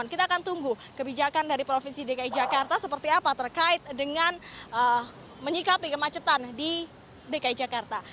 kita akan tunggu kebijakan dari provinsi dki jakarta seperti apa terkait dengan menyikapi kemacetan di dki jakarta